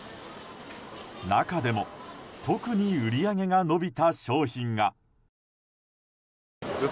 中でも、特に売り上げが伸びた商品が。